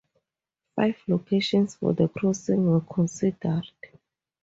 Five locations for the crossing were considered.